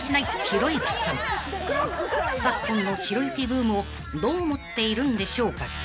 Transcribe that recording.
［昨今のひろゆきブームをどう思っているんでしょうか］